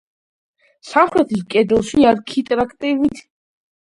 სამხრეთის კედელში არქიტრავით გადახურული კარი და თაღოვანი სარკმელია.